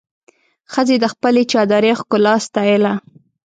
ښځې د خپلې چادري ښکلا ستایله.